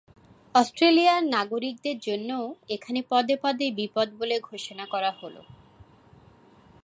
অস্ট্রেলিয়ার নাগরিকদের জন্যও এখানে পদে পদে বিপদ বলে ঘোষণা করা হলো।